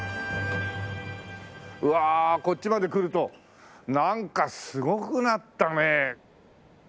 うわあこっちまで来るとなんかすごくなったね。